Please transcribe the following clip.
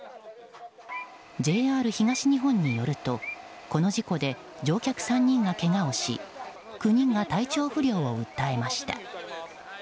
ＪＲ東日本によるとこの事故で乗客３人がけがをし９人が体調不良を訴えました。